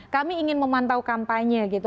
kami ingin memantau kampanye gitu